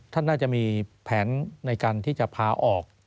ท่านน่าจะมีแผนในการที่จะพาออก